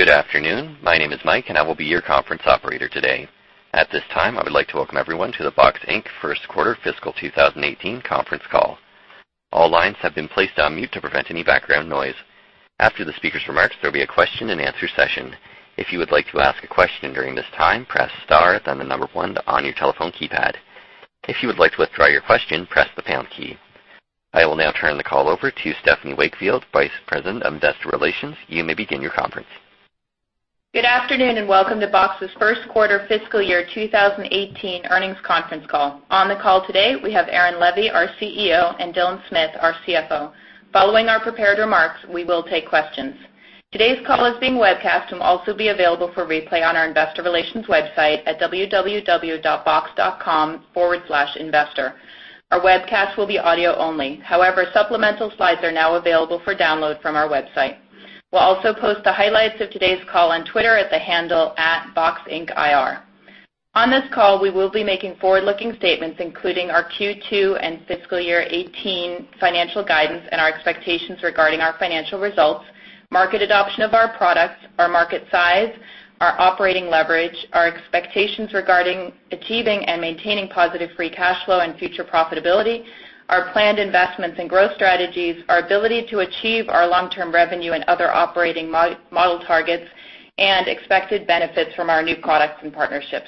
Good afternoon. My name is Mike, and I will be your conference operator today. At this time, I would like to welcome everyone to the Box, Inc first quarter fiscal 2018 conference call. All lines have been placed on mute to prevent any background noise. After the speaker's remarks, there will be a question and answer session. If you would like to ask a question during this time, press star, then the number one on your telephone keypad. If you would like to withdraw your question, press the pound key. I will now turn the call over to Stephanie Wakefield, Vice President of Investor Relations. You may begin your conference. Good afternoon, welcome to Box's first quarter fiscal year 2018 earnings conference call. On the call today, we have Aaron Levie, our CEO, and Dylan Smith, our CFO. Following our prepared remarks, we will take questions. Today's call is being webcast and will also be available for replay on our investor relations website at www.box.com/investor. Our webcast will be audio only. However, supplemental slides are now available for download from our website. We'll also post the highlights of today's call on Twitter at the handle @BoxIncIR. On this call, we will be making forward-looking statements, including our Q2 and fiscal year 2018 financial guidance and our expectations regarding our financial results, market adoption of our products, our market size, our operating leverage, our expectations regarding achieving and maintaining positive free cash flow and future profitability, our planned investments and growth strategies, our ability to achieve our long-term revenue and other operating model targets, and expected benefits from our new products and partnerships.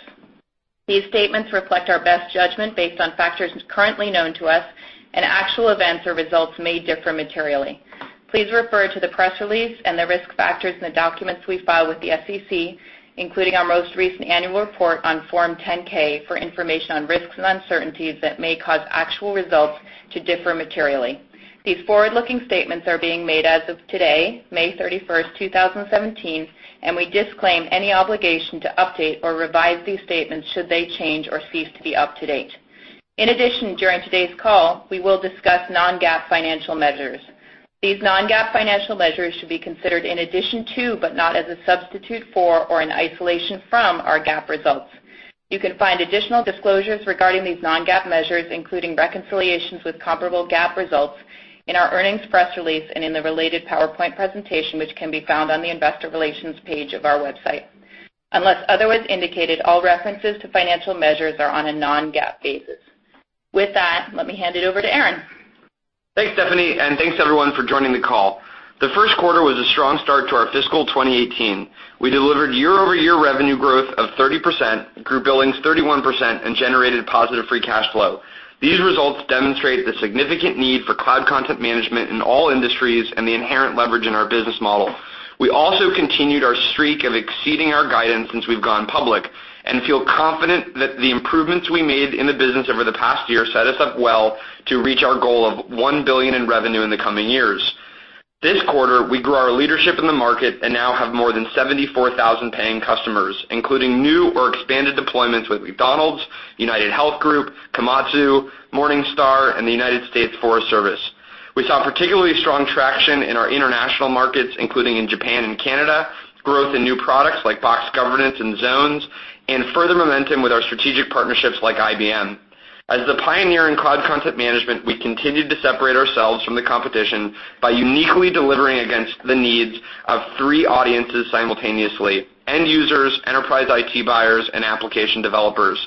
These statements reflect our best judgment based on factors currently known to us, and actual events or results may differ materially. Please refer to the press release and the risk factors in the documents we file with the SEC, including our most recent annual report on Form 10-K, for information on risks and uncertainties that may cause actual results to differ materially. These forward-looking statements are being made as of today, May 31, 2017, and we disclaim any obligation to update or revise these statements should they change or cease to be up to date. In addition, during today's call, we will discuss non-GAAP financial measures. These non-GAAP financial measures should be considered in addition to, but not as a substitute for or in isolation from, our GAAP results. You can find additional disclosures regarding these non-GAAP measures, including reconciliations with comparable GAAP results, in our earnings press release and in the related PowerPoint presentation, which can be found on the investor relations page of our website. Unless otherwise indicated, all references to financial measures are on a non-GAAP basis. With that, let me hand it over to Aaron. Thanks, Stephanie, and thanks everyone for joining the call. The first quarter was a strong start to our fiscal 2018. We delivered year-over-year revenue growth of 30%, grew billings 31%, and generated positive free cash flow. These results demonstrate the significant need for cloud content management in all industries and the inherent leverage in our business model. We also continued our streak of exceeding our guidance since we've gone public and feel confident that the improvements we made in the business over the past year set us up well to reach our goal of $1 billion in revenue in the coming years. This quarter, we grew our leadership in the market and now have more than 74,000 paying customers, including new or expanded deployments with McDonald's, UnitedHealth Group, Komatsu, Morningstar, and the United States Forest Service. We saw particularly strong traction in our international markets, including in Japan and Canada, growth in new products like Box Governance and Zones, and further momentum with our strategic partnerships like IBM. As the pioneer in cloud content management, we continued to separate ourselves from the competition by uniquely delivering against the needs of three audiences simultaneously: end users, enterprise IT buyers, and application developers.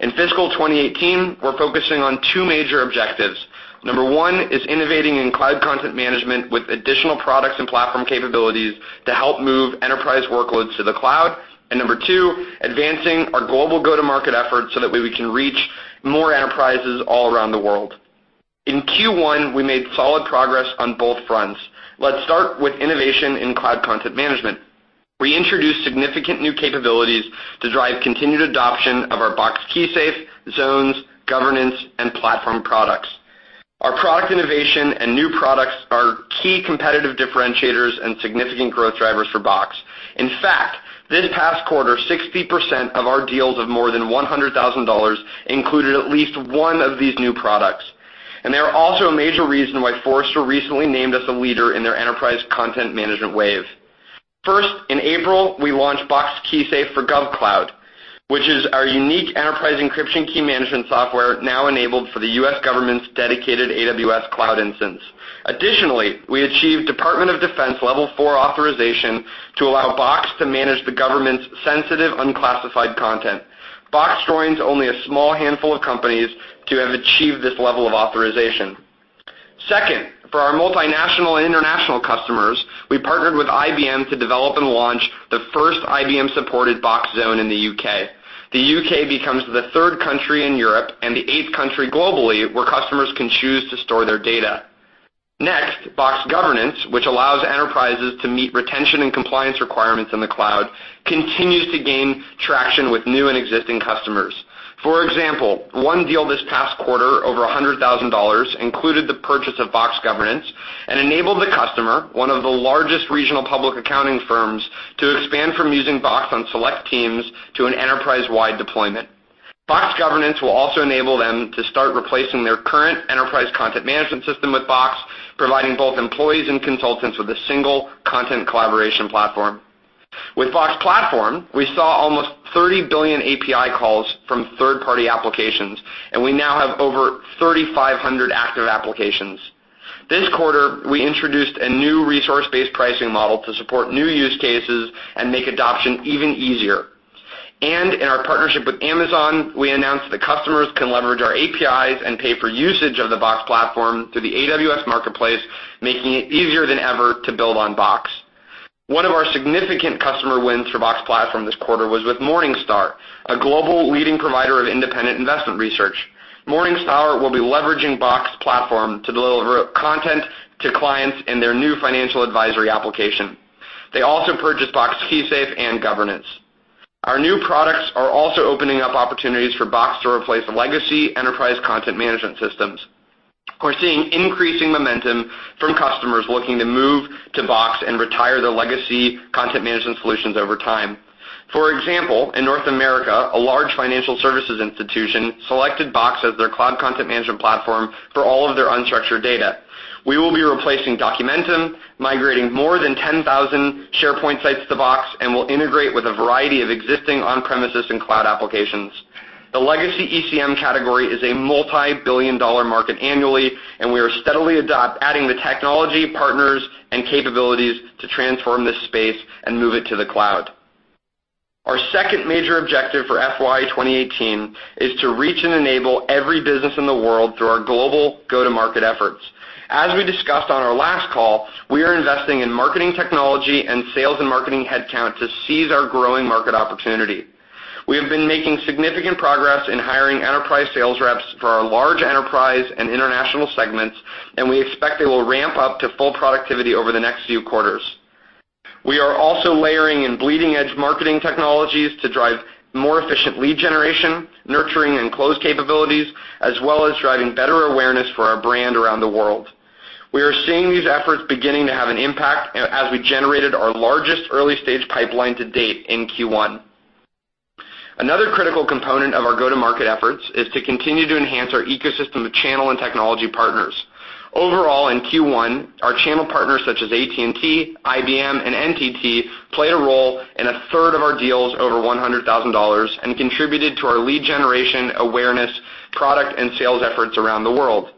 In fiscal 2018, we're focusing on two major objectives. Number one is innovating in cloud content management with additional products and platform capabilities to help move enterprise workloads to the cloud. Number two, advancing our global go-to-market efforts so that way we can reach more enterprises all around the world. In Q1, we made solid progress on both fronts. Let's start with innovation in cloud content management. We introduced significant new capabilities to drive continued adoption of our Box KeySafe, Zones, Governance, and Platform products. Our product innovation and new products are key competitive differentiators and significant growth drivers for Box. In fact, this past quarter, 60% of our deals of more than $100,000 included at least one of these new products. They are also a major reason why Forrester recently named us a leader in their enterprise content management Wave. First, in April, we launched Box KeySafe for GovCloud, which is our unique enterprise encryption key management software now enabled for the U.S. government's dedicated AWS cloud instance. Additionally, we achieved Department of Defense Level 4 authorization to allow Box to manage the government's sensitive unclassified content. Box joins only a small handful of companies to have achieved this level of authorization. Second, for our multinational and international customers, we partnered with IBM to develop and launch the first IBM-supported Box Zones in the U.K. The U.K. becomes the third country in Europe and the eighth country globally where customers can choose to store their data. Next, Box Governance, which allows enterprises to meet retention and compliance requirements in the cloud, continues to gain traction with new and existing customers. For example, one deal this past quarter, over $100,000, included the purchase of Box Governance and enabled the customer, one of the largest regional public accounting firms, to expand from using Box on select teams to an enterprise-wide deployment. Box Governance will also enable them to start replacing their current enterprise content management system with Box, providing both employees and consultants with a single content collaboration platform. With Box Platform, we saw almost 30 billion API calls from third-party applications, we now have over 3,500 active applications. This quarter, we introduced a new resource-based pricing model to support new use cases and make adoption even easier. In our partnership with Amazon, we announced that customers can leverage our APIs and pay per usage of the Box Platform through the AWS Marketplace, making it easier than ever to build on Box. One of our significant customer wins for Box Platform this quarter was with Morningstar, a global leading provider of independent investment research. Morningstar will be leveraging Box Platform to deliver content to clients in their new financial advisory application. They also purchased Box KeySafe and Governance. Our new products are also opening up opportunities for Box to replace legacy enterprise content management systems. We're seeing increasing momentum from customers looking to move to Box and retire their legacy content management solutions over time. For example, in North America, a large financial services institution selected Box as their cloud content management platform for all of their unstructured data. We will be replacing Documentum, migrating more than 10,000 SharePoint sites to Box, and will integrate with a variety of existing on-premises and cloud applications. The legacy ECM category is a multi-billion dollar market annually, we are steadily adding the technology, partners, and capabilities to transform this space and move it to the cloud. Our second major objective for FY 2018 is to reach and enable every business in the world through our global go-to-market efforts. As we discussed on our last call, we are investing in marketing technology and sales and marketing headcount to seize our growing market opportunity. We have been making significant progress in hiring enterprise sales reps for our large enterprise and international segments, and we expect they will ramp up to full productivity over the next few quarters. We are also layering in bleeding-edge marketing technologies to drive more efficient lead generation, nurturing, and close capabilities, as well as driving better awareness for our brand around the world. We are seeing these efforts beginning to have an impact, as we generated our largest early-stage pipeline to date in Q1. Another critical component of our go-to-market efforts is to continue to enhance our ecosystem of channel and technology partners. Overall, in Q1, our channel partners, such as AT&T, IBM, and NTT, played a role in a third of our deals over $100,000 and contributed to our lead generation, awareness, product, and sales efforts around the world.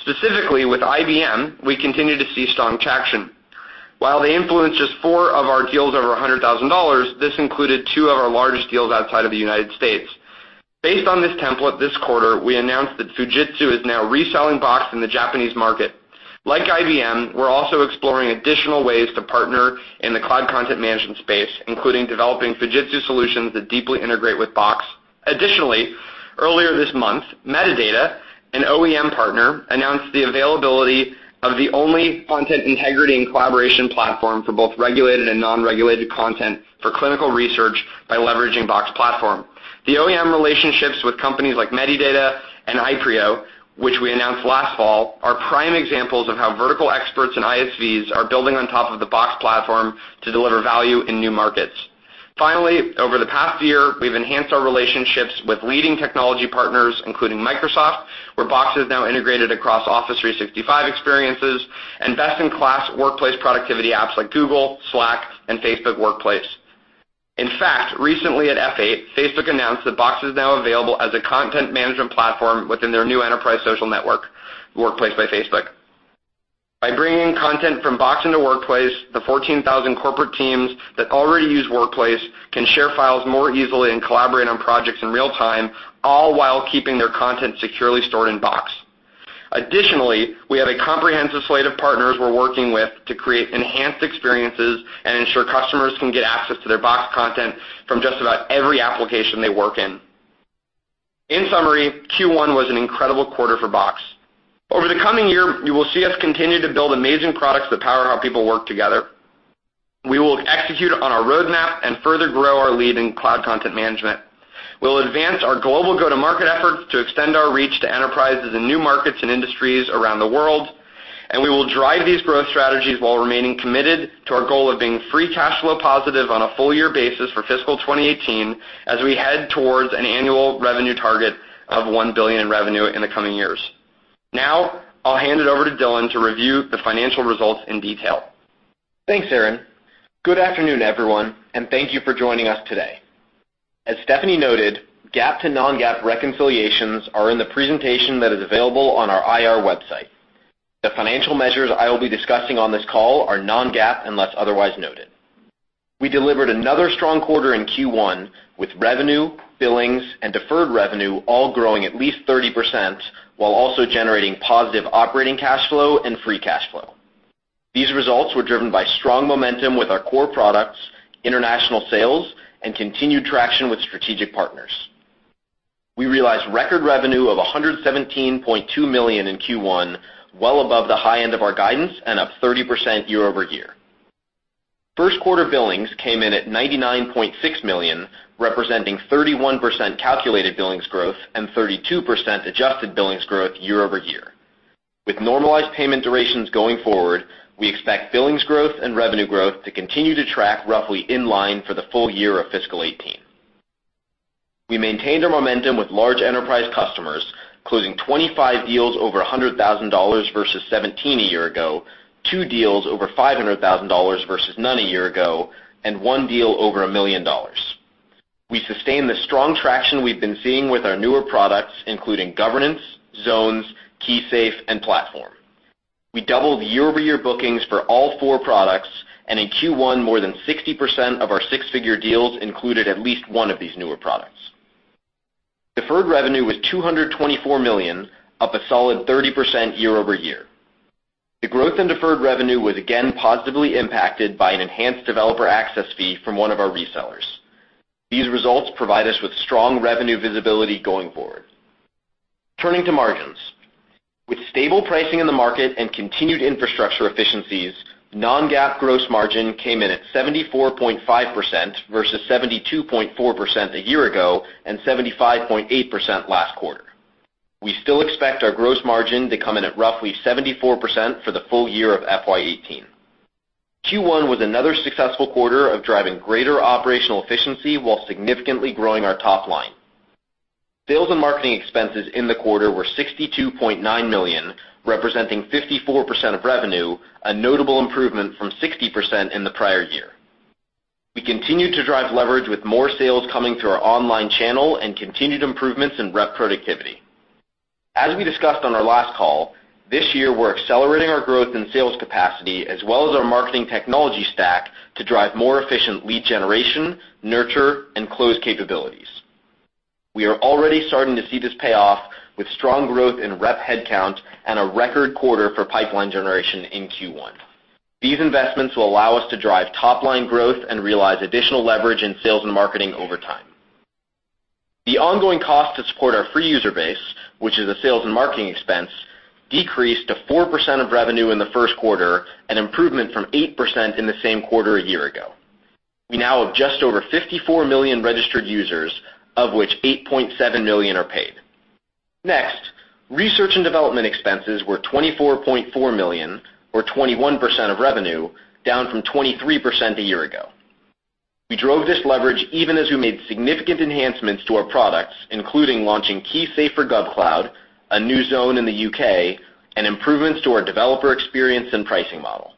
Specifically, with IBM, we continue to see strong traction. While they influenced just four of our deals over $100,000, this included two of our largest deals outside of the United States. Based on this template, this quarter, we announced that Fujitsu is now reselling Box in the Japanese market. Like IBM, we're also exploring additional ways to partner in the cloud content management space, including developing Fujitsu solutions that deeply integrate with Box. Additionally, earlier this month, Medidata, an OEM partner, announced the availability of the only content integrity and collaboration Platform for both regulated and non-regulated content for clinical research by leveraging Box Platform. The OEM relationships with companies like Medidata and Ipreo, which we announced last fall, are prime examples of how vertical experts and ISVs are building on top of the Box Platform to deliver value in new markets. Finally, over the past year, we've enhanced our relationships with leading technology partners, including Microsoft, where Box is now integrated across Office 365 experiences, and best-in-class workplace productivity apps like Google, Slack, and Facebook Workplace. In fact, recently at F8, Facebook announced that Box is now available as a content management platform within their new enterprise social network, Workplace by Facebook. By bringing content from Box into Workplace, the 14,000 corporate teams that already use Workplace can share files more easily and collaborate on projects in real time, all while keeping their content securely stored in Box. Additionally, we have a comprehensive slate of partners we're working with to create enhanced experiences and ensure customers can get access to their Box content from just about every application they work in. In summary, Q1 was an incredible quarter for Box. Over the coming year, you will see us continue to build amazing products that power how people work together. We will execute on our roadmap and further grow our lead in cloud content management. We'll advance our global go-to-market efforts to extend our reach to enterprises in new markets and industries around the world. We will drive these growth strategies while remaining committed to our goal of being free cash flow positive on a full year basis for fiscal 2018 as we head towards an annual revenue target of $1 billion in revenue in the coming years. Now, I'll hand it over to Dylan to review the financial results in detail. Thanks, Aaron. Good afternoon, everyone, thank you for joining us today. As Stephanie noted, GAAP to non-GAAP reconciliations are in the presentation that is available on our IR website. The financial measures I will be discussing on this call are non-GAAP unless otherwise noted. We delivered another strong quarter in Q1, with revenue, billings, and deferred revenue all growing at least 30%, while also generating positive operating cash flow and free cash flow. These results were driven by strong momentum with our core products, international sales, and continued traction with strategic partners. We realized record revenue of $117.2 million in Q1, well above the high end of our guidance and up 30% year-over-year. First quarter billings came in at $99.6 million, representing 31% calculated billings growth and 32% adjusted billings growth year-over-year. With normalized payment durations going forward, we expect billings growth and revenue growth to continue to track roughly in line for the full year of fiscal 2018. We maintained our momentum with large enterprise customers, closing 25 deals over $100,000 versus 17 a year ago, two deals over $500,000 versus none a year ago, and one deal over $1 million. We sustained the strong traction we've been seeing with our newer products, including Governance, Zones, KeySafe, and Platform. We doubled year-over-year bookings for all four products, and in Q1, more than 60% of our six-figure deals included at least one of these newer products. Deferred revenue was $224 million, up a solid 30% year-over-year. The growth in deferred revenue was again positively impacted by an enhanced developer access fee from one of our resellers. These results provide us with strong revenue visibility going forward. Turning to margins. With stable pricing in the market and continued infrastructure efficiencies, non-GAAP gross margin came in at 74.5% versus 72.4% a year ago and 75.8% last quarter. We still expect our gross margin to come in at roughly 74% for the full year of FY 2018. Q1 was another successful quarter of driving greater operational efficiency while significantly growing our top line. Sales and marketing expenses in the quarter were $62.9 million, representing 54% of revenue, a notable improvement from 60% in the prior year. We continued to drive leverage with more sales coming through our online channel and continued improvements in rep productivity. As we discussed on our last call, this year we're accelerating our growth in sales capacity as well as our marketing technology stack to drive more efficient lead generation, nurture, and close capabilities. We are already starting to see this pay off with strong growth in rep headcount and a record quarter for pipeline generation in Q1. These investments will allow us to drive top-line growth and realize additional leverage in sales and marketing over time. The ongoing cost to support our free user base, which is a sales and marketing expense, decreased to 4% of revenue in the first quarter, an improvement from 8% in the same quarter a year ago. We now have just over 54 million registered users, of which 8.7 million are paid. Next Research and Development expenses were $24.4 million, or 21% of revenue, down from 23% a year ago. We drove this leverage even as we made significant enhancements to our products, including launching KeySafe for GovCloud, a new zone in the U.K., and improvements to our developer experience and pricing model.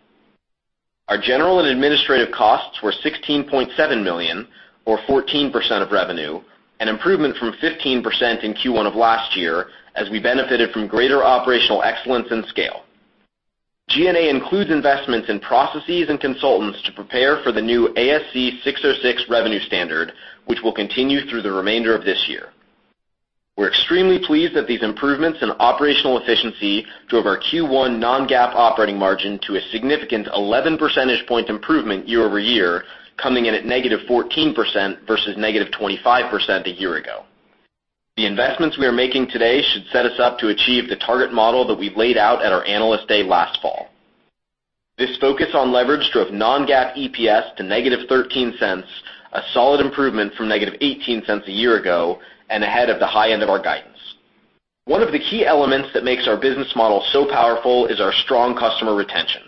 Our general and administrative costs were $16.7 million, or 14% of revenue, an improvement from 15% in Q1 of last year as we benefited from greater operational excellence and scale. G&A includes investments in processes and consultants to prepare for the new ASC 606 revenue standard, which will continue through the remainder of this year. We're extremely pleased that these improvements in operational efficiency drove our Q1 non-GAAP operating margin to a significant 11 percentage point improvement year-over-year, coming in at -14% versus -25% a year ago. The investments we are making today should set us up to achieve the target model that we laid out at our Analyst Day last fall. This focus on leverage drove non-GAAP EPS to -$0.13, a solid improvement from -$0.18 a year ago and ahead of the high end of our guidance. One of the key elements that makes our business model so powerful is our strong customer retention.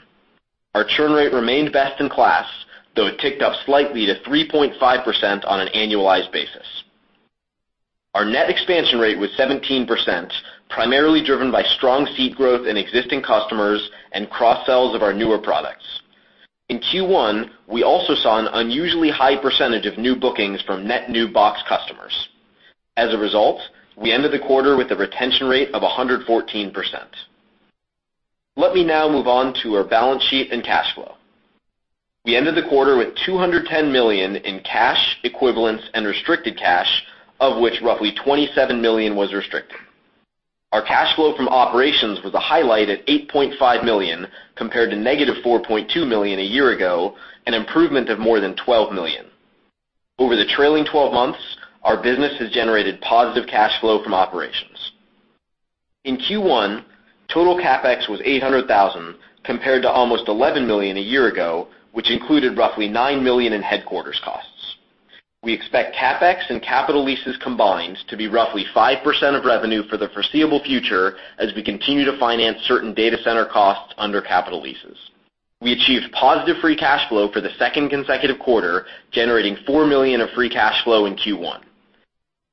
Our churn rate remained best in class, though it ticked up slightly to 3.5% on an annualized basis. Our net expansion rate was 17%, primarily driven by strong seat growth in existing customers and cross-sells of our newer products. In Q1, we also saw an unusually high percentage of new bookings from net new Box customers. As a result, we ended the quarter with a retention rate of 114%. Let me now move on to our balance sheet and cash flow. We ended the quarter with $210 million in cash equivalents and restricted cash, of which roughly $27 million was restricted. Our cash flow from operations was a highlight at $8.5 million compared to -$4.2 million a year ago, an improvement of more than $12 million. Over the trailing 12 months, our business has generated positive cash flow from operations. In Q1, total CapEx was $800,000 compared to almost $11 million a year ago, which included roughly $9 million in headquarters costs. We expect CapEx and capital leases combined to be roughly 5% of revenue for the foreseeable future as we continue to finance certain data center costs under capital leases. We achieved positive free cash flow for the second consecutive quarter, generating $4 million of free cash flow in Q1.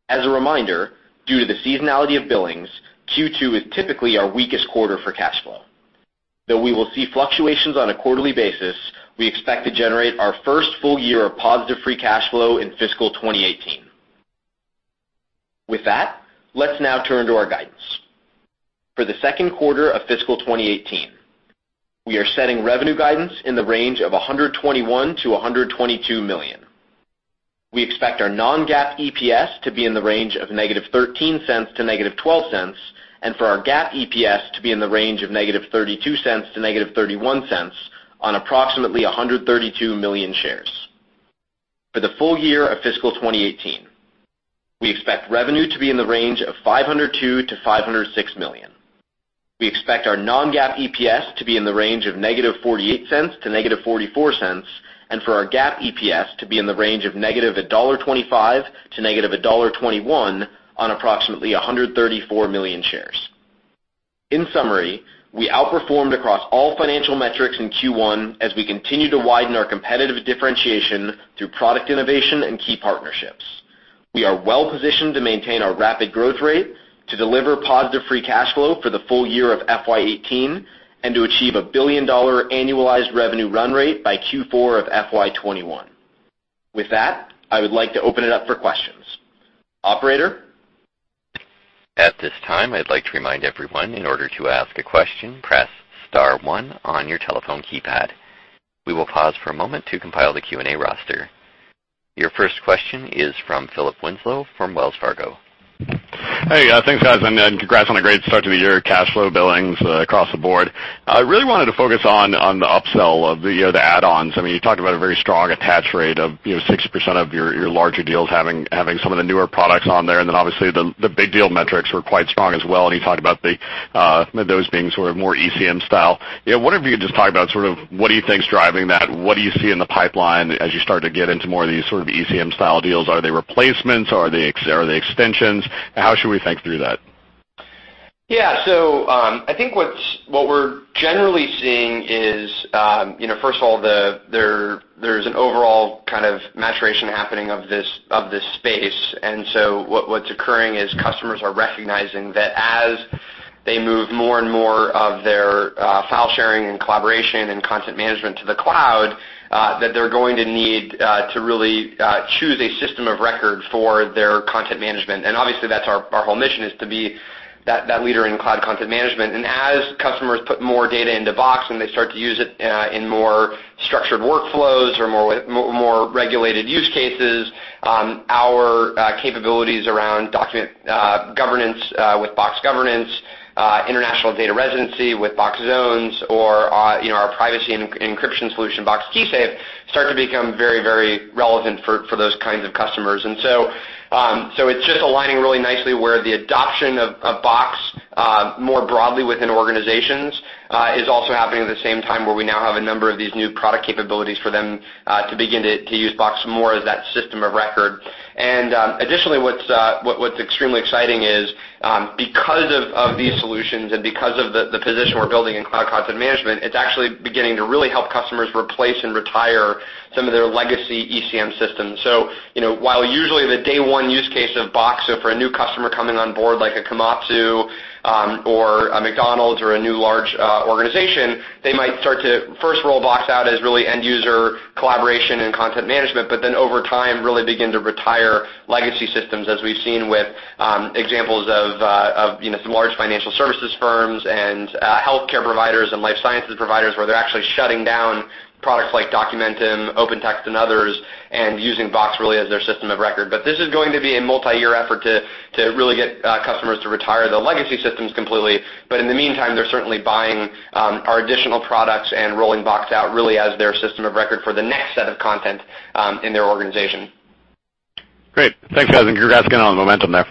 As a reminder, due to the seasonality of billings, Q2 is typically our weakest quarter for cash flow. Though we will see fluctuations on a quarterly basis, we expect to generate our first full year of positive free cash flow in fiscal 2018. With that, let's now turn to our guidance. For the second quarter of fiscal 2018, we are setting revenue guidance in the range of $121 million-$122 million. We expect our non-GAAP EPS to be in the range of -$0.13 to -$0.12, and for our GAAP EPS to be in the range of - $0.32 to -$0.31 on approximately $132 million shares. For the full year of fiscal 2018, we expect revenue to be in the range of $502 million-$506 million. We expect our non-GAAP EPS to be in the range of -$0.48 to -$0.44, and for our GAAP EPS to be in the range of -$1.25 to -$1.21 on approximately $134 million shares. In summary, we outperformed across all financial metrics in Q1 as we continue to widen our competitive differentiation through product innovation and key partnerships. We are well-positioned to maintain our rapid growth rate, to deliver positive free cash flow for the full year of FY 2018, and to achieve a $1 billion annualized revenue run rate by Q4 of FY 2021. With that I would like to open it up for questions. Operator. At this time I would like to remind everyone in order to ask your question please press star one on your telephone keypad. We will pause a moment to compile Q&A roster. Your first question is from Philip Winslow from Wells Fargo. Thanks guys, and congrats on a great start to the year, cash flow billings across the board. I really wanted to focus on the upsell of the, you know, the add-ons. I mean, you talked about a very strong attach rate of, you know, 60% of your larger deals having some of the newer products on there, then obviously the big deal metrics were quite strong as well, and you talked about those being sort of more ECM style. You know, if you could just talk about sort of what do you think is driving that? What do you see in the pipeline as you start to get into more of these sort of ECM style deals? Are they replacements? Are they extensions? How should we think through that? Yeah. I think what we're generally seeing is, you know, first of all, there's an overall kind of maturation happening of this space. What's occurring is customers are recognizing that as they move more and more of their file sharing and collaboration and content management to the cloud, that they're going to need to really choose a system of record for their content management. Obviously, that's our whole mission is to be that leader in cloud content management. As customers put more data into Box and they start to use it, in more structured workflows or more regulated use cases, our capabilities around document governance, with Box Governance, international data residency with Box Zones, or, you know, our privacy and encryption solution, Box KeySafe, start to become very relevant for those kinds of customers. So it's just aligning really nicely where the adoption of Box more broadly within organizations is also happening at the same time where we now have a number of these new product capabilities for them to begin to use Box more as that system of record. Additionally, what's extremely exciting is because of these solutions and because of the position we're building in cloud content management, it's actually beginning to really help customers replace and retire some of their legacy ECM systems. You know, while usually the day one use case of Box, for a new customer coming on board like a Komatsu or a McDonald's or a new large organization, they might start to first roll Box out as really end user collaboration and content management, but then over time, really begin to retire legacy systems, as we've seen with examples of, you know, some large financial services firms and healthcare providers and life sciences providers, where they're actually shutting down products like Documentum and OpenText and others, and using Box really as their system of record. This is going to be a multi-year effort to really get customers to retire the legacy systems completely. In the meantime, they're certainly buying our additional products and rolling Box out really as their system of record for the next set of content in their organization. Great. Thanks, guys, and congrats again on the momentum there.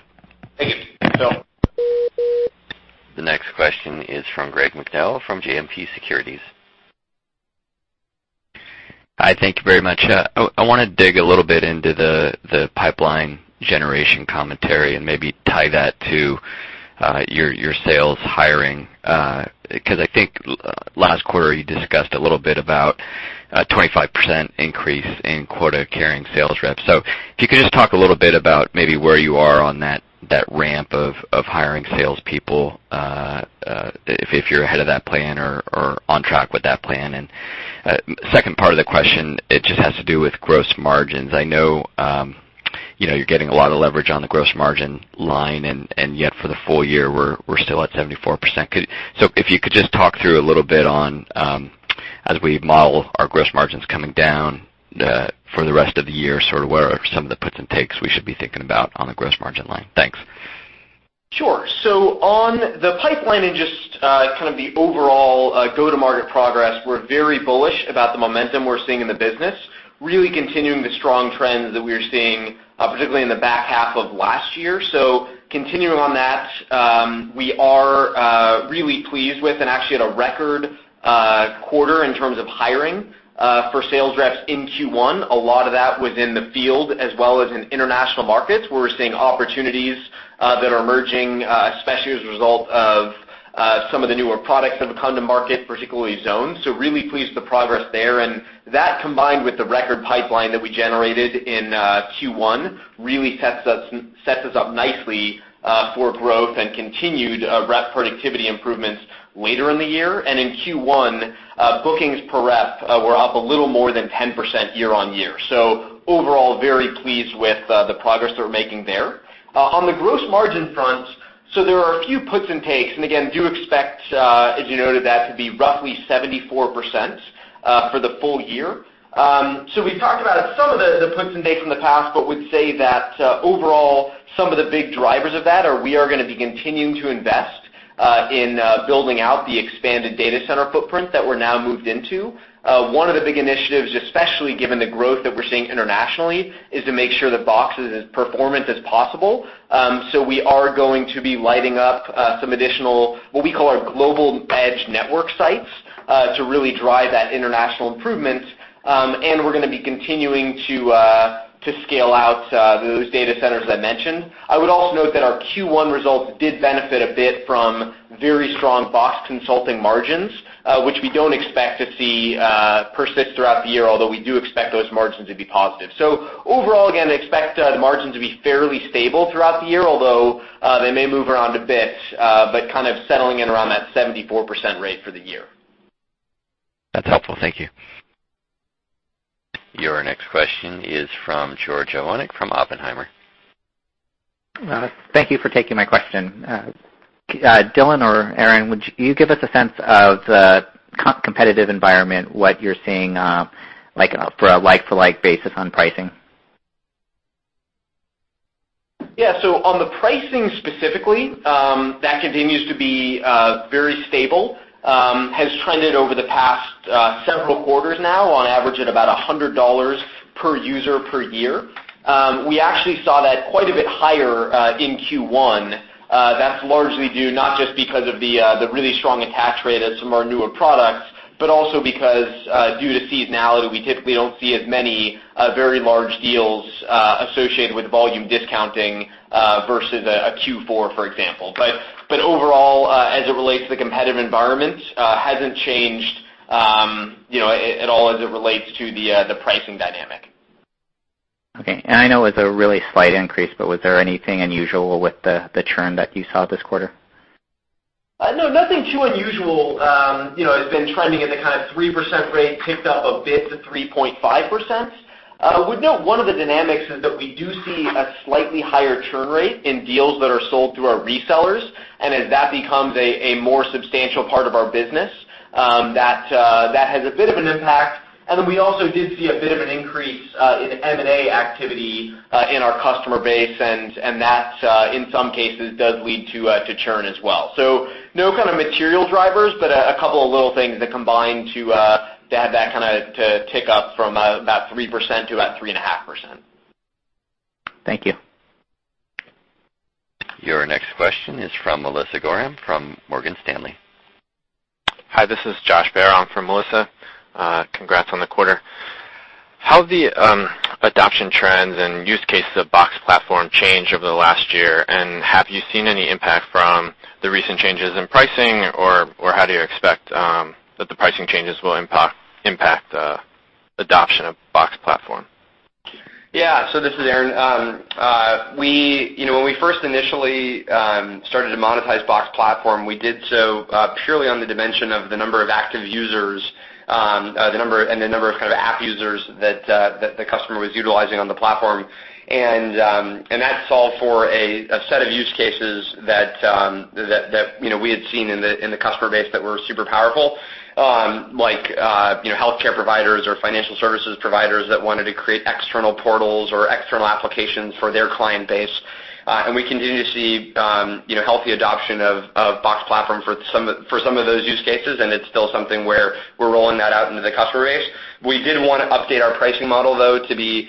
Thank you. Sure. The next question is from Greg McDowell from JMP Securities. Hi, thank you very much. I wanna dig a little bit into the pipeline generation commentary and maybe tie that to your sales hiring 'cause I think last quarter, you discussed a little bit about a 25% increase in quota-carrying sales reps. If you could just talk a little bit about maybe where you are on that ramp of hiring salespeople if you're ahead of that plan or on track with that plan. Second part of the question, it just has to do with gross margins. I know, you know, you're getting a lot of leverage on the gross margin line, and yet for the full year, we're still at 74%. Could if you could just talk through a little bit on, as we model our gross margins coming down for the rest of the year, sort of where some of the puts and takes we should be thinking about on the gross margin line? Thanks. Sure. On the pipeline and just, kind of the overall, go-to-market progress, we're very bullish about the momentum we're seeing in the business, really continuing the strong trends that we were seeing, particularly in the back half of last year. Continuing on that, we are really pleased with and actually at a record quarter in terms of hiring for sales reps in Q1, a lot of that within the field as well as in international markets, where we're seeing opportunities that are emerging, especially as a result of some of the newer products that have come to market, particularly Zones. Really pleased with the progress there. That combined with the record pipeline that we generated in Q1 really sets us up nicely for growth and continued rep productivity improvements later in the year. In Q1, bookings per rep were up a little more than 10% year-on-year. Overall, very pleased with the progress that we're making there. On the gross margin front, there are a few puts and takes, and again, do expect, as you noted, that to be roughly 74% for the full year. We've talked about some of the puts and takes from the past, but would say that overall, some of the big drivers of that are we are gonna be continuing to invest in building out the expanded data center footprint that we're now moved into. One of the big initiatives, especially given the growth that we're seeing internationally, is to make sure that Box is as performant as possible. We are going to be lighting up some additional, what we call our global edge network sites, to really drive that international improvements. We're gonna be continuing to scale out those data centers I mentioned. I would also note that our Q1 results did benefit a bit from very strong Box consulting margins, which we don't expect to see persist throughout the year, although we do expect those margins to be positive. Overall, again, expect the margin to be fairly stable throughout the year, although they may move around a bit, but kind of settling in around that 74% rate for the year. That's helpful. Thank you. Your next question is from George Iwanyc from Oppenheimer. Thank you for taking my question. Dylan or Aaron, would you give us a sense of the competitive environment, what you're seeing, like for a like-to-like basis on pricing? On the pricing specifically, that continues to be very stable, has trended over the past several quarters now on average at about $100 per user per year. We actually saw that quite a bit higher in Q1. That's largely due not just because of the really strong attach rate of some of our newer products, but also because due to seasonality, we typically don't see as many very large deals associated with volume discounting versus a Q4, for example. Overall, as it relates to the competitive environment, hasn't changed, you know, at all as it relates to the pricing dynamic. Okay. I know it's a really slight increase, but was there anything unusual with the churn that you saw this quarter? No, nothing too unusual. You know, it's been trending at the kind of 3% rate, ticked up a bit to 3.5%. Would note one of the dynamics is that we do see a slightly higher churn rate in deals that are sold through our resellers, and as that becomes a more substantial part of our business, that has a bit of an impact. We also did see a bit of an increase in M&A activity in our customer base, and that in some cases, does lead to churn as well. No kind of material drivers, but a couple of little things that combine to have that kinda to tick up from about 3% to about 3.5%. Thank you. Your next question is from Melissa Gorham from Morgan Stanley. Hi, this is Josh Baer in for Melissa. Congrats on the quarter. How have the adoption trends and use cases of Box Platform changed over the last year, and have you seen any impact from the recent changes in pricing or how do you expect that the pricing changes will impact adoption of Box Platform? Yeah. This is Aaron. You know, when we first initially started to monetize Box Platform, we did so purely on the dimension of the number of active users, the number and the number of kind of app users that the customer was utilizing on the platform. That solved for a set of use cases that, you know, we had seen in the customer base that were super powerful, like, you know, healthcare providers or financial services providers that wanted to create external portals or external applications for their client base. We continue to see, you know, healthy adoption of Box Platform for some of those use cases, and it's still something where we're rolling that out into the customer base. We did want to update our pricing model, though, to be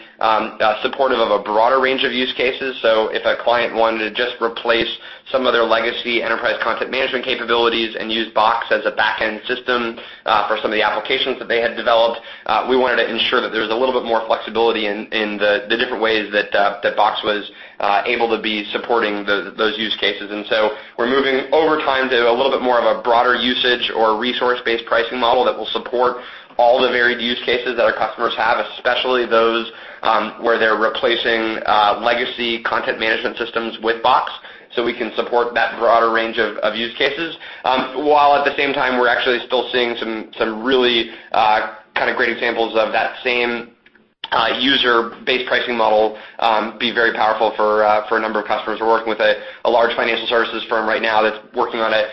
supportive of a broader range of use cases. If a client wanted to just replace some of their legacy enterprise content management capabilities and use Box as a back-end system, for some of the applications that they had developed, we wanted to ensure that there was a little bit more flexibility in the different ways that Box was able to be supporting those use cases. We're moving over time to a little bit more of a broader usage or resource-based pricing model that will support all the varied use cases that our customers have, especially those where they're replacing legacy content management systems with Box, so we can support that broader range of use cases. While at the same time we're actually still seeing some really kind of great examples of that same user-based pricing model be very powerful for a number of customers. We're working with a large financial services firm right now that's working on a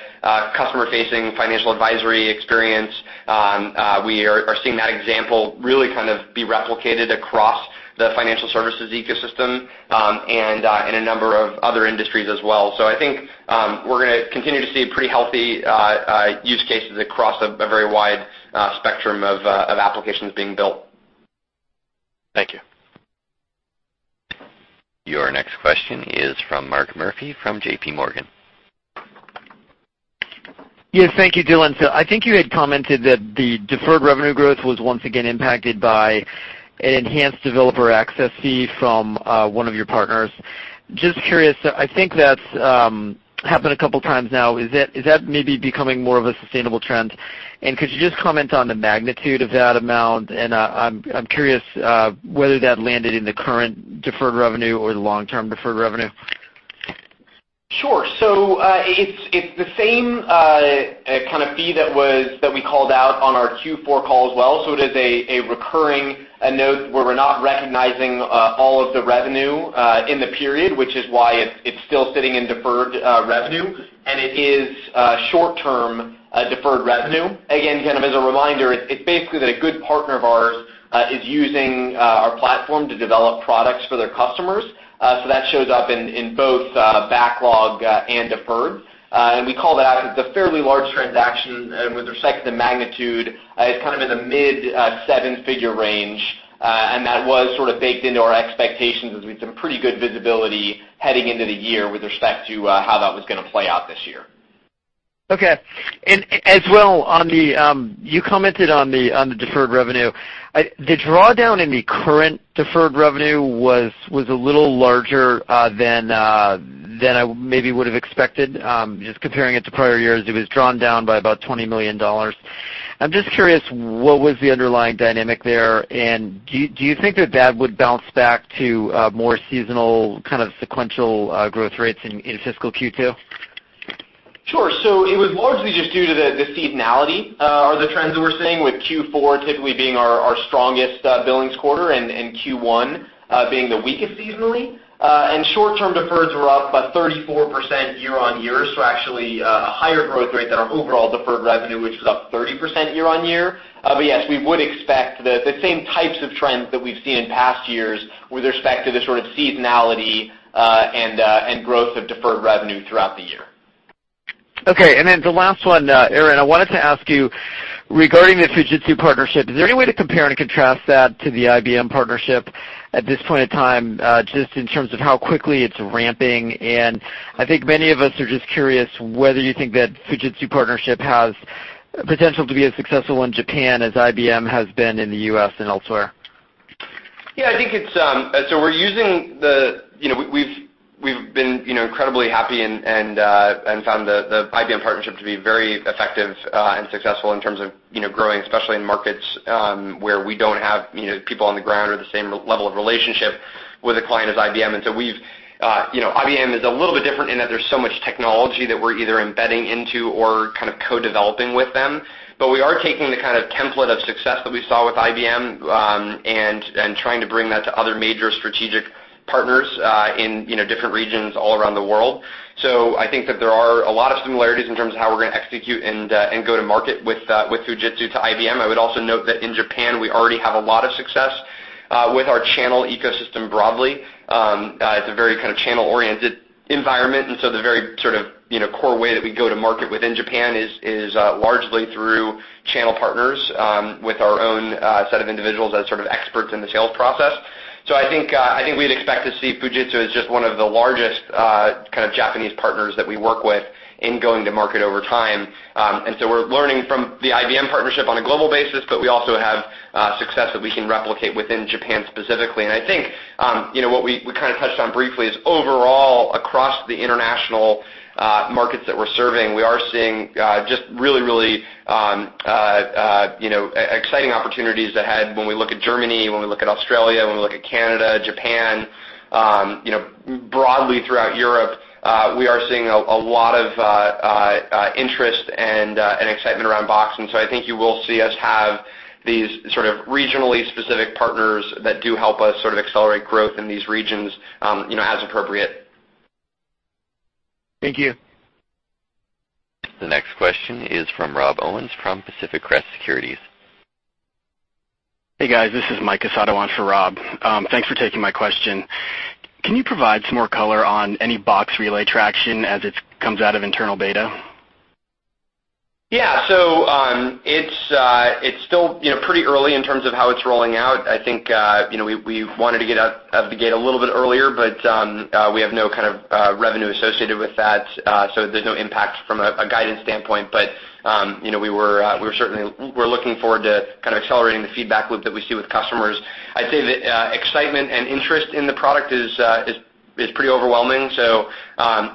customer-facing financial advisory experience. We are seeing that example really kind of be replicated across the financial services ecosystem and in a number of other industries as well. I think we're gonna continue to see pretty healthy use cases across a very wide spectrum of applications being built. Thank you. Your next question is from Mark Murphy from JPMorgan. Yes, thank you, Dylan. I think you had commented that the deferred revenue growth was once again impacted by an enhanced developer access fee from one of your partners. Just curious, I think that's happened a couple times now. Is that maybe becoming more of a sustainable trend? Could you just comment on the magnitude of that amount? I'm curious whether that landed in the current deferred revenue or the long-term deferred revenue. Sure. It's the same kind of fee that we called out on our Q4 call as well. It is a recurring note where we're not recognizing all of the revenue in the period, which is why it's still sitting in deferred revenue, and it is short-term deferred revenue. Again, kind of as a reminder, it's basically that a good partner of ours is using our platform to develop products for their customers. That shows up in both backlog and deferred. We called that out as a fairly large transaction with respect to the magnitude, it's kind of in the mid seven-figure range. That was sort of baked into our expectations as we had some pretty good visibility heading into the year with respect to how that was gonna play out this year. Okay. As well, You commented on the deferred revenue. The drawdown in the current deferred revenue was a little larger than I maybe would have expected. Just comparing it to prior years, it was drawn down by about $20 million. I'm just curious, what was the underlying dynamic there, and do you think that that would bounce back to more seasonal kind of sequential growth rates in fiscal Q2? Sure. It was largely just due to the seasonality, or the trends that we're seeing with Q4 typically being our strongest billings quarter, and Q1 being the weakest seasonally. Short-term deferreds were up about 34% year-on-year, so actually, a higher growth rate than our overall deferred revenue, which was up 30% year-on-year. Yes, we would expect the same types of trends that we've seen in past years with respect to the sort of seasonality and growth of deferred revenue throughout the year. Okay, the last one, Aaron, I wanted to ask you, regarding the Fujitsu partnership, is there any way to compare and contrast that to the IBM partnership at this point in time, just in terms of how quickly it's ramping? Many of us are just curious whether you think that Fujitsu partnership has potential to be as successful in Japan as IBM has been in the U.S. and elsewhere. Yeah, I think it's we're using the, we've been, you know, incredibly happy and found the IBM partnership to be very effective and successful in terms of, you know, growing, especially in markets where we don't have, you know, people on the ground or the same level of relationship with a client as IBM. We've, you know, IBM is a little bit different in that there's so much technology that we're either embedding into or kind of co-developing with them. We are taking the kind of template of success that we saw with IBM and trying to bring that to other major strategic partners in, you know, different regions all around the world. I think that there are a lot of similarities in terms of how we're gonna execute and go-to-market with Fujitsu to IBM. I would also note that in Japan, we already have a lot of success with our channel ecosystem broadly. It's a very kind of channel-oriented environment, the very sort of, you know, core way that we go-to-market within Japan is largely through channel partners with our own set of individuals as sort of experts in the sales process. I think I think we'd expect to see Fujitsu as just one of the largest kind of Japanese partners that we work with in going to market over time. We're learning from the IBM partnership on a global basis, but we also have success that we can replicate within Japan specifically. I think, you know, what we kinda touched on briefly is overall, across the international markets that we're serving, we are seeing just really, really, you know, exciting opportunities ahead when we look at Germany, when we look at Australia, when we look at Canada, Japan, you know, broadly throughout Europe, we are seeing a lot of interest and excitement around Box. I think you will see us have these sort of regionally specific partners that do help us sort of accelerate growth in these regions, you know, as appropriate. Thank you. The next question is from Rob Owens from Pacific Crest Securities. Hey, guys, this is Mike Casado on for Rob. Thanks for taking my question. Can you provide some more color on any Box Relay traction as it comes out of internal beta? Yeah. It's still, you know, pretty early in terms of how it's rolling out. I think, you know, we wanted to get out of the gate a little bit earlier, but we have no kind of revenue associated with that, so there's no impact from a guidance standpoint. You know, we're looking forward to kind of accelerating the feedback loop that we see with customers. I'd say the excitement and interest in the product is pretty overwhelming, so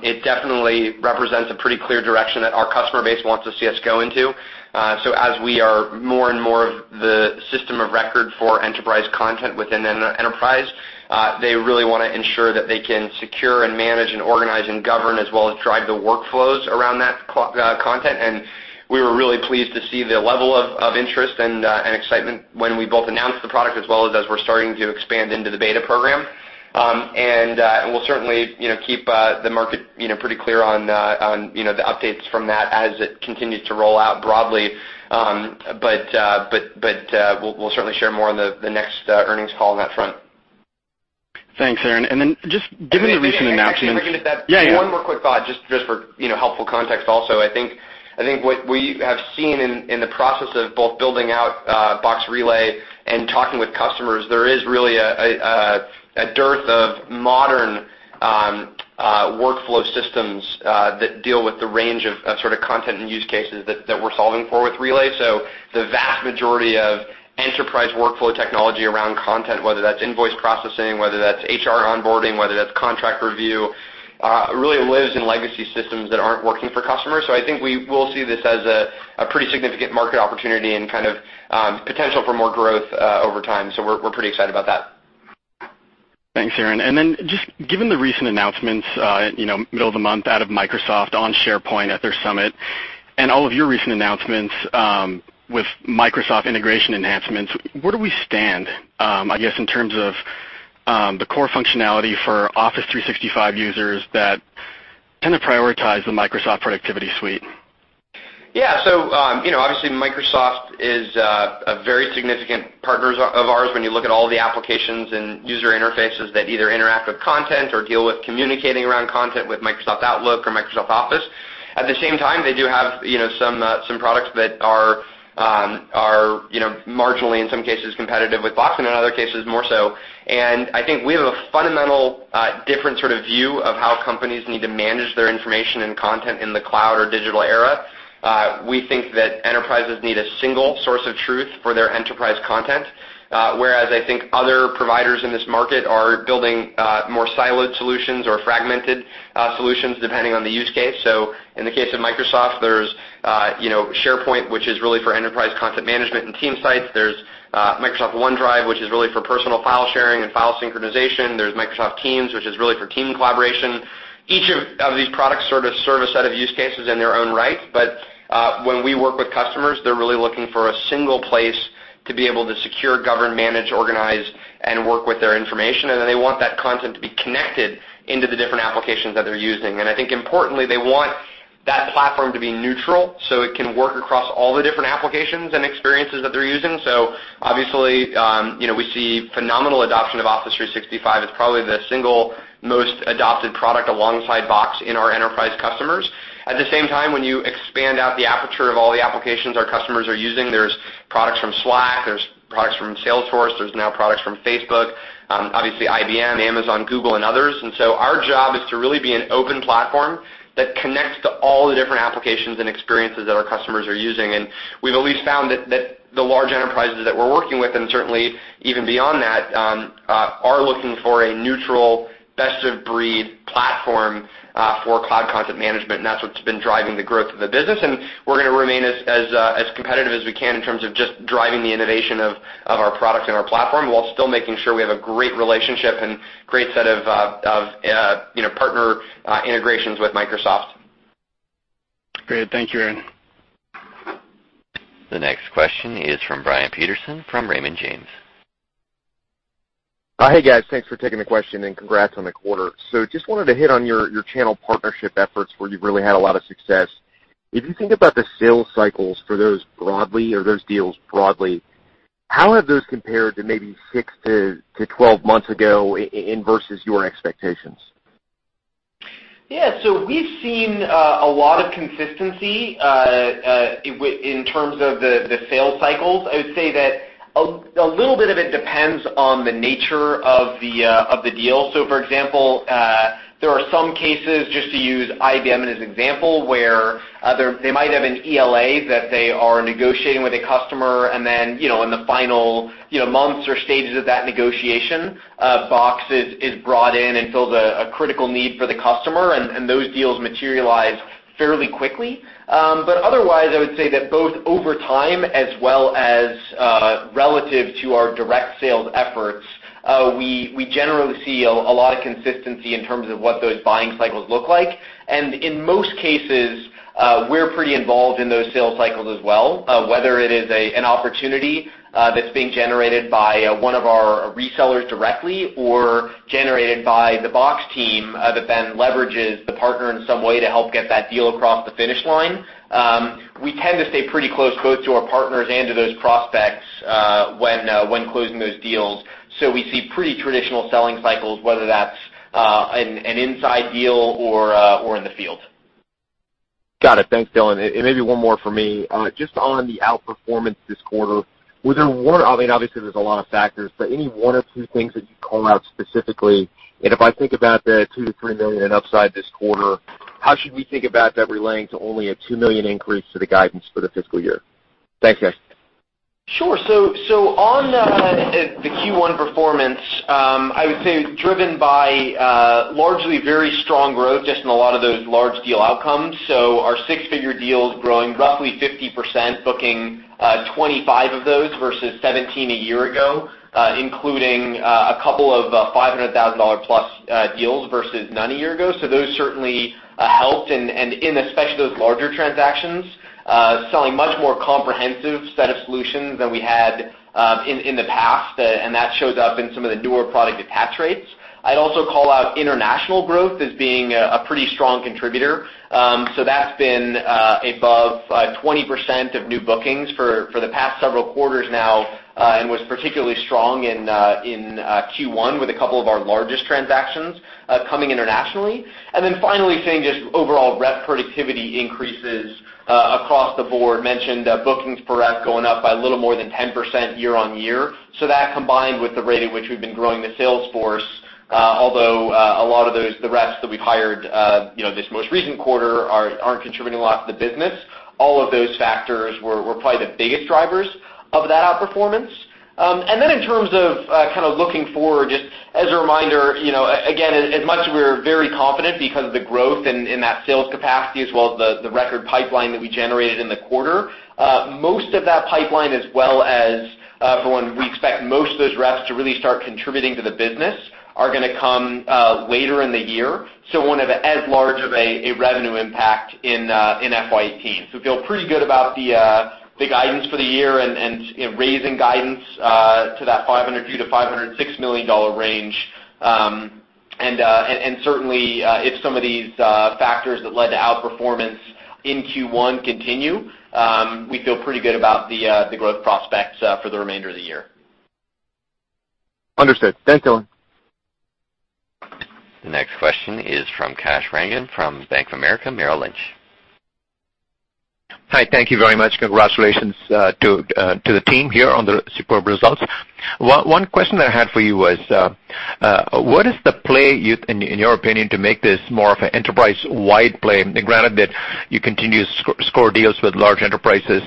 it definitely represents a pretty clear direction that our customer base wants to see us go into. As we are more and more of the system of record for enterprise content within an enterprise, they really want to ensure that they can secure and manage and organize and govern, as well as drive the workflows around that content. We were really pleased to see the level of interest and excitement when we both announced the product as we're starting to expand into the beta program. We'll certainly, you know, keep the market, you know, pretty clear on, you know, the updates from that as it continues to roll out broadly. But we'll certainly share more on the next earnings call on that front. Thanks, Aaron. Just given the recent announcements. And actually, if I can get that. Yeah, yeah. One more quick thought, just for, you know, helpful context also. I think what we have seen in the process of both building out Box Relay and talking with customers, there is really a dearth of modern workflow systems that deal with the range of sort of content and use cases that we're solving for with Relay. The vast majority of enterprise workflow technology around content, whether that's invoice processing, whether that's HR onboarding, whether that's contract review, really lives in legacy systems that aren't working for customers. I think we will see this as a pretty significant market opportunity and kind of potential for more growth over time. We're pretty excited about that. Thanks, Aaron. Then just given the recent announcements, you know, middle of the month out of Microsoft on SharePoint at their summit, and all of your recent announcements, with Microsoft integration enhancements, where do we stand, I guess in terms of the core functionality for Office 365 users that tend to prioritize the Microsoft productivity suite? You know, obviously Microsoft is a very significant partners of ours when you look at all the applications and user interfaces that either interact with content or deal with communicating around content with Microsoft Outlook or Microsoft Office. At the same time, they do have, you know, some products that are, you know, marginally, in some cases, competitive with Box and in other cases more so. I think we have a fundamental different sort of view of how companies need to manage their information and content in the cloud or digital era. We think that enterprises need a single source of truth for their enterprise content, whereas I think other providers in this market are building more siloed solutions or fragmented solutions depending on the use case. In the case of Microsoft, there's, you know, SharePoint, which is really for enterprise content management and team sites. There's Microsoft OneDrive, which is really for personal file sharing and file synchronization. There's Microsoft Teams, which is really for team collaboration. Each of these products sort of serve a set of use cases in their own right, but when we work with customers, they're really looking for a single place to be able to secure, govern, manage, organize, and work with their information, and they want that content to be connected into the different applications that they're using. I think importantly, they want that platform to be neutral, so it can work across all the different applications and experiences that they're using. Obviously, you know, we see phenomenal adoption of Office 365. It's probably the single most adopted product alongside Box in our enterprise customers. At the same time, when you expand out the aperture of all the applications our customers are using, there's products from Slack, there's products from Salesforce, there's now products from Facebook, obviously IBM, Amazon, Google, and others. Our job is to really be an open platform that connects to all the different applications and experiences that our customers are using. We've at least found that the large enterprises that we're working with, and certainly even beyond that, are looking for a neutral, best-of-breed platform, for cloud content management, and that's what's been driving the growth of the business. We're gonna remain as competitive as we can in terms of just driving the innovation of our products and our platform while still making sure we have a great relationship and great set of, you know, partner integrations with Microsoft. Great. Thank you, Aaron. The next question is from Brian Peterson from Raymond James. Hey, guys. Thanks for taking the question, and congrats on the quarter. Just wanted to hit on your channel partnership efforts where you've really had a lot of success. If you think about the sales cycles for those broadly or those deals broadly, how have those compared to maybe 6 to 12 months ago in versus your expectations? We've seen a lot of consistency in terms of the sales cycles. I would say that a little bit of it depends on the nature of the deal. For example, there are some cases, just to use IBM as an example, where they might have an ELA that they are negotiating with a customer, and then, you know, in the final, you know, months or stages of that negotiation, Box is brought in and fills a critical need for the customer, and those deals materialize fairly quickly. But otherwise, I would say that both over time as well as relative to our direct sales efforts, we generally see a lot of consistency in terms of what those buying cycles look like. In most cases, we're pretty involved in those sales cycles as well, whether it is an opportunity that's being generated by one of our resellers directly or generated by the Box team that then leverages the partner in some way to help get that deal across the finish line. We tend to stay pretty close both to our partners and to those prospects when closing those deals, so we see pretty traditional selling cycles, whether that's an inside deal or in the field. Got it. Thanks, Dylan. Maybe one more for me. Just on the outperformance this quarter, was there one I mean, obviously, there's a lot of factors, but any one or two things that you'd call out specifically? If I think about the $2 million-$3 million in upside this quarter, how should we think about that relating to only a $2 million increase to the guidance for the fiscal year? Thanks, guys. Sure. On the Q1 performance, I would say driven by largely very strong growth just in a lot of those large deal outcomes. Our six-figure deals growing roughly 50%, booking 25 of those versus 17 a year ago, including a couple of $500,000+ deals versus none a year ago. Those certainly helped and in especially those larger transactions, selling much more comprehensive set of solutions than we had in the past, and that shows up in some of the newer product detach rates. I'd also call out international growth as being a pretty strong contributor. That's been above 20% of new bookings for the past several quarters now and was particularly strong in Q1 with a couple of our largest transactions coming internationally. Finally, seeing just overall rep productivity increases across the board. Mentioned bookings per rep going up by a little more than 10% year-on-year. That combined with the rate at which we've been growing the sales force, although the reps that we've hired this most recent quarter aren't contributing a lot to the business, all of those factors were probably the biggest drivers of that outperformance. In terms of, kind of looking forward, just as a reminder, you know, again, as much as we're very confident because of the growth in that sales capacity as well as the record pipeline that we generated in the quarter, most of that pipeline as well as, for when we expect most of those reps to really start contributing to the business are gonna come later in the year, so it won't have as large of a revenue impact in FY 2018. We feel pretty good about the guidance for the year and, you know, raising guidance to that $502 million-$506 million range. Certainly, if some of these factors that led to outperformance in Q1 continue, we feel pretty good about the growth prospects for the remainder of the year. Understood. Thanks, Dylan. The next question is from Kash Rangan from Bank of America Merrill Lynch. Hi, thank you very much. Congratulations to the team here on the superb results. One question I had for you was, what is the play you think, in your opinion, to make this more of an enterprise-wide play, granted that you continue to score deals with large enterprises?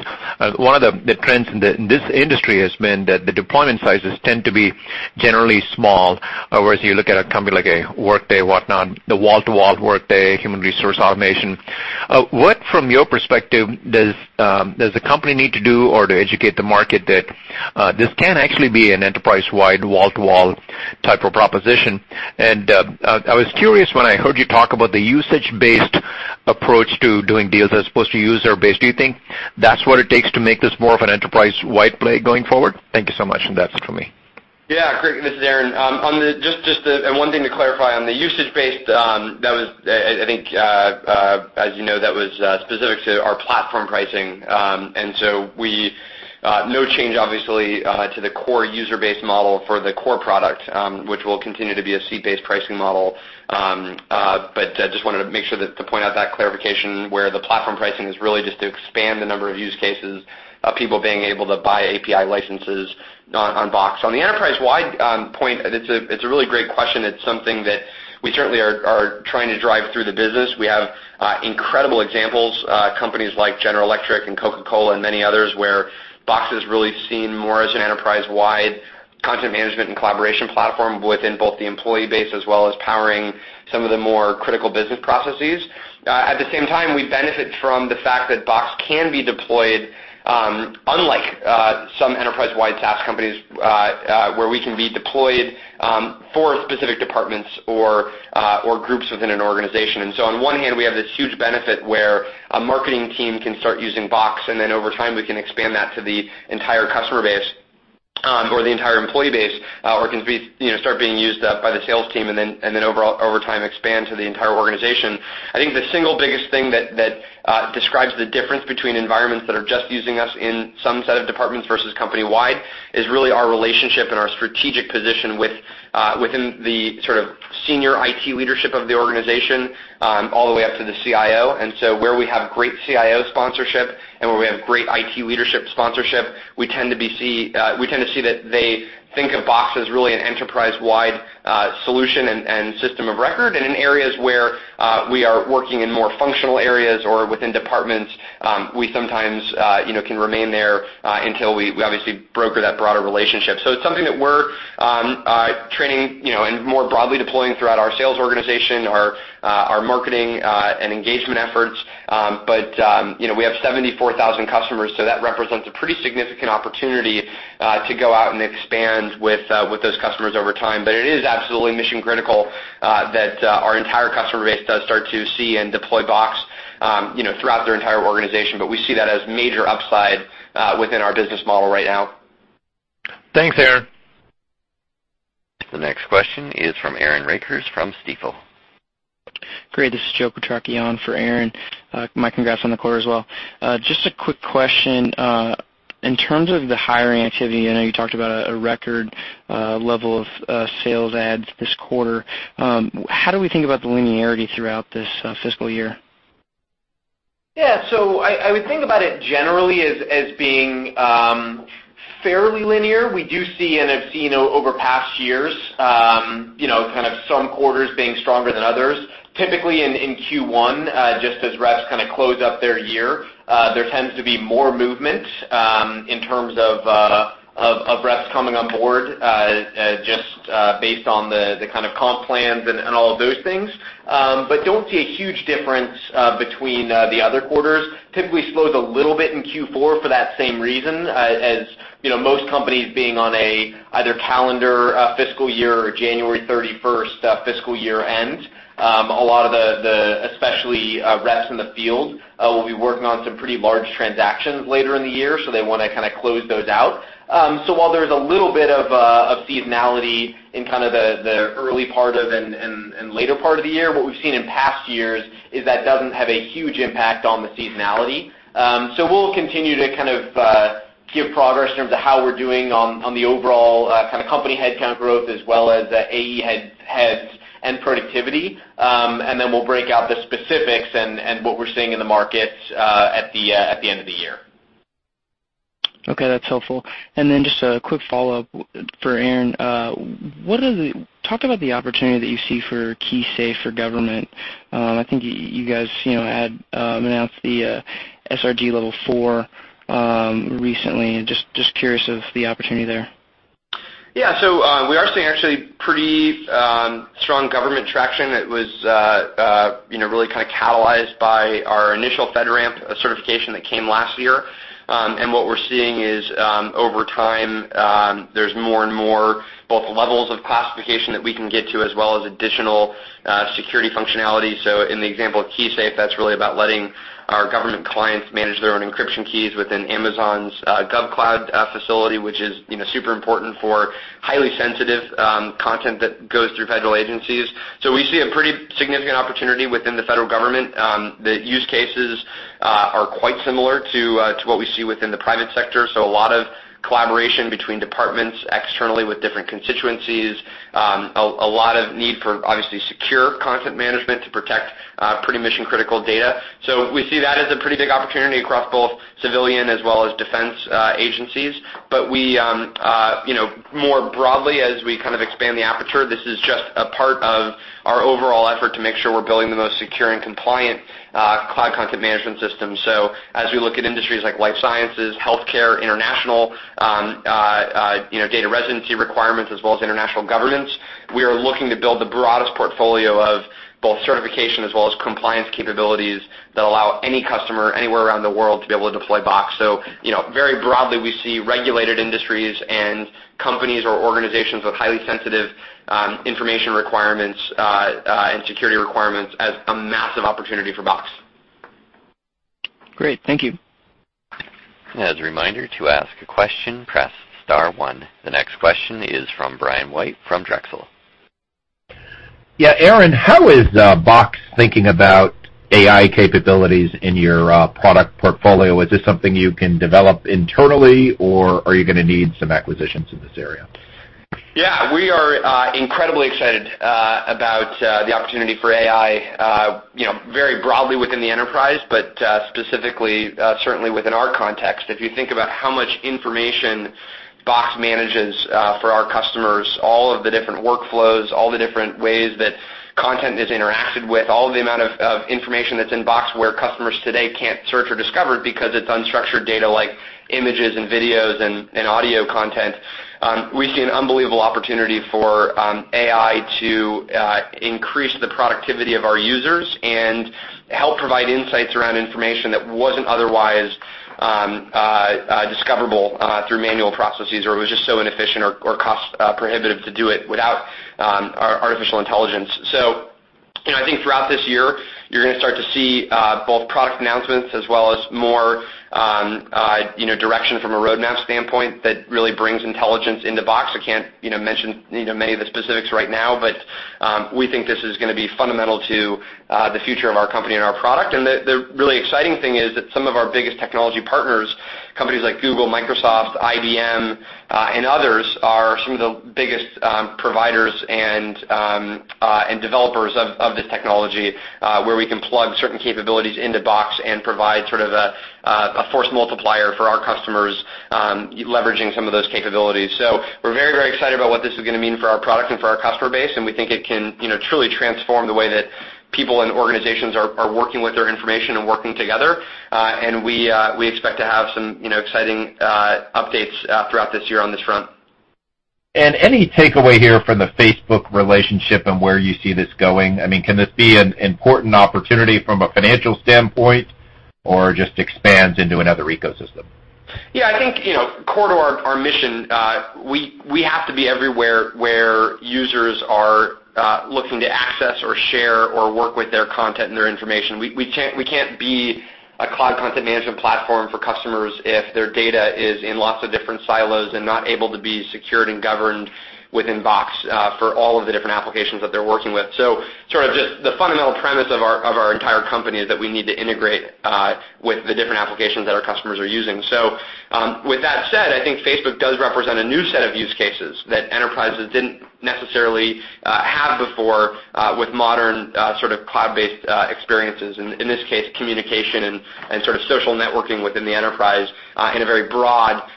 One of the trends in this industry has been that the deployment sizes tend to be generally small, whereas you look at a company like a Workday, whatnot, the wall-to-wall Workday human resource automation. What, from your perspective, does the company need to do or to educate the market that this can actually be an enterprise-wide, wall-to-wall type of proposition? I was curious when I heard you talk about the usage-based approach to doing deals as opposed to user-based. Do you think that's what it takes to make this more of an enterprise-wide play going forward? Thank you so much. That's it for me. Yeah, great. This is Aaron. On the one thing to clarify, on the usage-based, that was, I think, as you know, that was specific to our platform pricing. We no change obviously to the core user base model for the core product, which will continue to be a seat-based pricing model. Just wanted to make sure that, to point out that clarification where the platform pricing is really just to expand the number of use cases of people being able to buy API licenses on Box. On the enterprise-wide point, it's a really great question. It's something that we certainly are trying to drive through the business. We have incredible examples, companies like General Electric and Coca-Cola and many others, where Box is really seen more as an enterprise-wide content management and collaboration platform within both the employee base as well as powering some of the more critical business processes. At the same time, we benefit from the fact that Box can be deployed, unlike some enterprise-wide SaaS companies, where we can be deployed for specific departments or groups within an organization. On one hand, we have this huge benefit where a marketing team can start using Box, and then over time, we can expand that to the entire customer base, or the entire employee base, or can be, you know, start being used by the sales team and then overall over time expand to the entire organization. I think the single biggest thing that describes the difference between environments that are just using us in some set of departments versus company-wide is really our relationship and our strategic position with within the sort of senior IT leadership of the organization, all the way up to the CIO. Where we have great CIO sponsorship and where we have great IT leadership sponsorship, we tend to see that they think of Box as really an enterprise-wide solution and system of record. In areas where we are working in more functional areas or within departments, we sometimes, you know, can remain there, until we obviously broker that broader relationship. It's something that we're training, you know, and more broadly deploying throughout our sales organization, our marketing and engagement efforts. You know, we have 74,000 customers, so that represents a pretty significant opportunity to go out and expand with those customers over time. It is absolutely mission-critical that our entire customer base does start to see and deploy Box, you know, throughout their entire organization. We see that as major upside within our business model right now. Thanks, Aaron. The next question is from Aaron Rakers from Stifel. Great. This is Joe Quatrochi for Aaron. My congrats on the quarter as well. Just a quick question. In terms of the hiring activity, I know you talked about a record level of sales adds this quarter. How do we think about the linearity throughout this fiscal year? I would think about it generally as being fairly linear. We do see, and have seen over past years, you know, kind of some quarters being stronger than others. Typically, in Q1, just as reps kinda close up their year, there tends to be more movement in terms of reps coming on board, just based on the kind of comp plans and all of those things. Don't see a huge difference between the other quarters. Typically slows a little bit in Q4 for that same reason, as, you know, most companies being on a either calendar, a fiscal year or January 31st, fiscal year end. A lot of the especially, reps in the field, will be working on some pretty large transactions later in the year, so they want to close those out. While there's a little bit of seasonality in the early part of and later part of the year, what we've seen in past years is that does not have a huge impact on the seasonality. We will continue to give progress in terms of how we are doing on the overall company headcount growth as well as AE heads and productivity. We will break out the specifics what we are seeing in the markets at the end of the year. Okay, that's helpful. Just a quick follow-up for Aaron. Talk about the opportunity that you see for KeySafe for government. I think you guys had announced the SRG Level 4 recently. Curious of the opportunity there? We are seeing actually pretty strong government traction. It was, you know, really kinda catalyzed by our initial FedRAMP certification that came last year. What we're seeing is, over time, there's more and more both levels of classification that we can get to as well as additional security functionality. In the example of KeySafe, that's really about letting our government clients manage their own encryption keys within Amazon's GovCloud facility, which is, you know, super important for highly sensitive content that goes through federal agencies. We see a pretty significant opportunity within the federal government. The use cases are quite similar to what we see within the private sector, so a lot of collaboration between departments externally with different constituencies. A lot of need for, obviously, secure content management to protect pretty mission-critical data. We see that as a pretty big opportunity across both civilian as well as defense agencies. We, you know, more broadly as we kind of expand the aperture, this is just a part of our overall effort to make sure we're building the most secure and compliant cloud content management system. As we look at industries like life sciences, healthcare, international, you know, data residency requirements as well as international governments, we are looking to build the broadest portfolio of both certification as well as compliance capabilities that allow any customer anywhere around the world to be able to deploy Box. You know, very broadly, we see regulated industries and companies or organizations with highly sensitive information requirements and security requirements as a massive opportunity for Box. Great. Thank you. As a reminder, to ask a question, press star one. The next question is from Brian White from Drexel. Yeah, Aaron, how is Box thinking about AI capabilities in your product portfolio? Is this something you can develop internally, or are you gonna need some acquisitions in this area? Yeah. We are incredibly excited about the opportunity for AI very broadly within the enterprise, but specifically certainly within our context. If you think about how much information Box manages for our customers, all of the different workflows, all the different ways that content is interacted with, all of the amount of information that's in Box where customers today can't search or discover because it's unstructured data like images and videos and audio content, we see an unbelievable opportunity for AI to increase the productivity of our users and help provide insights around information that wasn't otherwise discoverable through manual processes or it was just so inefficient or cost prohibitive to do it without our artificial intelligence. You know, I think throughout this year, you're gonna start to see both product announcements as well as more, you know, direction from a roadmap standpoint that really brings intelligence into Box. I can't, you know, mention, you know, many of the specifics right now, but we think this is gonna be fundamental to the future of our company and our product. The really exciting thing is that some of our biggest technology partners, companies like Google, Microsoft, IBM, and others are some of the biggest providers and developers of this technology, where we can plug certain capabilities into Box and provide sort of a force multiplier for our customers, leveraging some of those capabilities. We're very, very excited about what this is gonna mean for our product and for our customer base. We think it can, you know, truly transform the way that people and organizations are working with their information and working together. We expect to have some, you know, exciting updates throughout this year on this front. Any takeaway here from the Facebook relationship and where you see this going? I mean, can this be an important opportunity from a financial standpoint, or just expands into another ecosystem? Yeah. I think, you know, core to our mission, we have to be everywhere where users are looking to access or share or work with their content and their information. We can't be a cloud content management platform for customers if their data is in lots of different silos and not able to be secured and governed within Box for all of the different applications that they're working with. Sort of just the fundamental premise of our entire company is that we need to integrate with the different applications that our customers are using. With that said, I think Facebook does represent a new set of use cases that enterprises didn't necessarily have before, with modern sort of cloud-based experiences, in this case, communication and sort of social networking within the enterprise, in a very broad consumer-oriented way.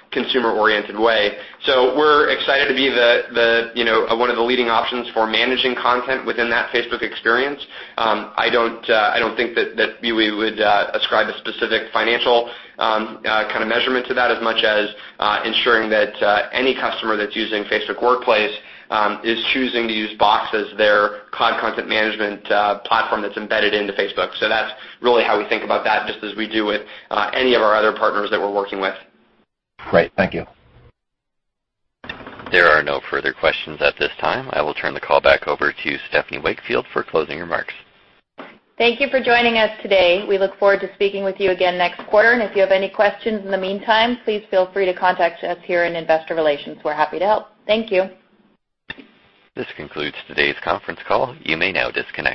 We're excited to be, you know, one of the leading options for managing content within that Facebook experience. I don't I don't think that we would ascribe a specific financial kind of measurement to that, as much as ensuring that any customer that's using Facebook Workplace is choosing to use Box as their cloud content management platform that's embedded into Facebook. That's really how we think about that, just as we do with any of our other partners that we're working with. Great. Thank you. There are no further questions at this time. I will turn the call back over to Stephanie Wakefield for closing remarks. Thank you for joining us today. We look forward to speaking with you again next quarter. If you have any questions in the meantime, please feel free to contact us here in Investor Relations. We're happy to help. Thank you. This concludes today's conference call. You may now disconnect.